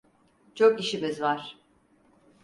Çok işimiz var.